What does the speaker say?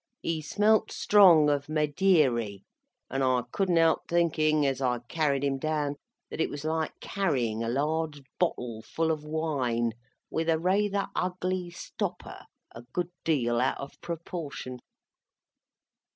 He smelt strong of Maideary, and I couldn't help thinking as I carried him down that it was like carrying a large bottle full of wine, with a rayther ugly stopper, a good deal out of proportion.